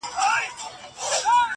په خلوت کي وو ملګری د شیخانو٫